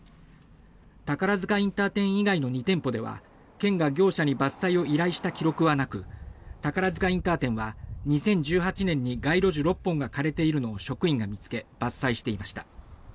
宝塚インター店以外の２店舗では県が業者に伐採を依頼した記録はなく宝塚インター店は、２０１８年に街路樹６本が枯れているのを職員が見つけ伐採していました。